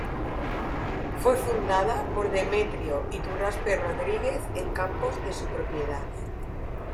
Fue fundada por Demetrio Iturraspe Rodriguez en campos de su propiedad.